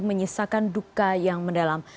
menyisakan duka yang mendalam